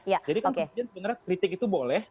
jadi kan kemudian beneran kritik itu boleh